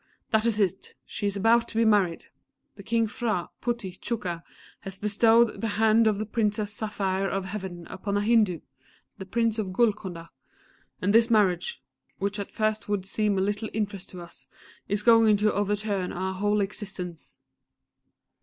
that is it!_ She is about to be married. The King Phra, Puttie, Chucka has bestowed the hand of the Princess Saphire of Heaven upon a Hindu, the Prince of Golconda: and this marriage, which at first would seem of little interest to us, is going to overturn our whole existence.